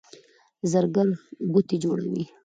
زرګر ګوتې جوړوي.